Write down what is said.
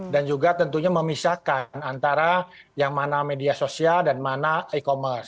dan juga tentunya memisahkan antara yang mana media sosial dan mana e commerce